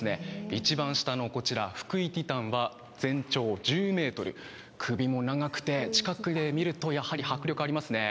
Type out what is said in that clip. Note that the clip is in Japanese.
一番下のこちら、フクイティタンは全長１０ｍ、首も長くて、近くで見ると、やはり迫力ありますね。